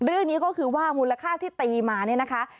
เรื่องนี้ก็คือว่ามูลค่าที่ตีมาเนี่ยนะคะ